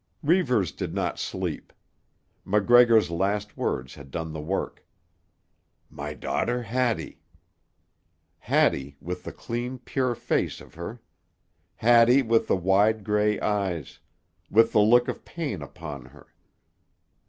Reivers did not sleep. MacGregor's last words had done the work. "My daughter Hattie." Hattie with the clean, pure face of her. Hattie with the wide grey eyes; with the look of pain upon her.